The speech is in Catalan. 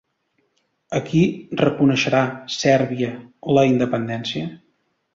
A qui reconeixerà Sèrbia la independència?